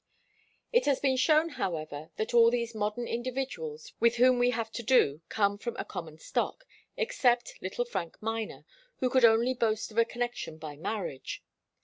It has been shown, however, that all these modern individuals with whom we have to do come from a common stock, except little Frank Miner, who could only boast of a connection by marriage.